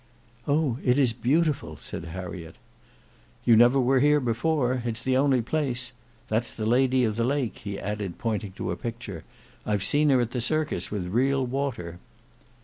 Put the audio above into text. "Oh! it is beautiful," said Harriet. "You never were here before; it's the only place. That's the Lady of the Lake," he added, pointing to a picture; "I've seen her at the Circus, with real water."